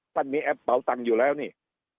ท่านมีแอปเบาตังค์อยู่แล้วเนี่ย